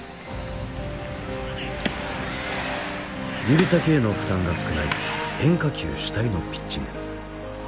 指先への負担が少ない変化球主体のピッチング。